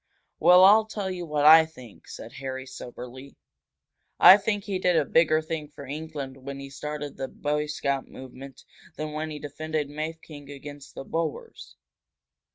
"Well, I'll tell you what I think," said Harry, soberly. "I think he did a bigger thing for England when he started the Boy Scout movement than when he defended Mafeking against the Boers!"